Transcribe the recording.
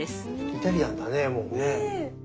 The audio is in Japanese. イタリアンだねもうね。